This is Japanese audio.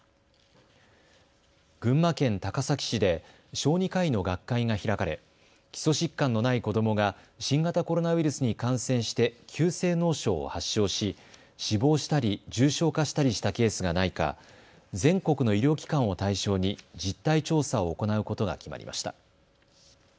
群馬県高崎市で小児科医の学会が開かれ基礎疾患のない子どもが新型コロナウイルスに感染して急性脳症を発症し死亡したり重症化したりしたケースがないか全国の医療機関を対象に実態調査を行うことが決まりました。